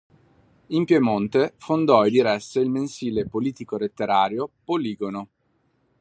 In Piemonte fondò e diresse il mensile politico-letterario "Poligono".